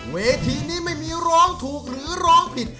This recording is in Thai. เวทีนี้ไม่มีร้องถูกหรือร้องผิด